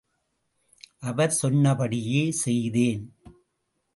அவர் சொன்னபடியே செய்தேன்.